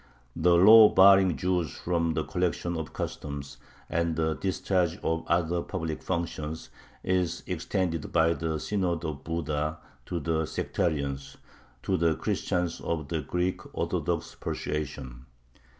The law barring Jews from the collection of customs and the discharge of other public functions is extended by the Synod of Buda to the "sectarians," to the Christians of the Greek Orthodox persuasion.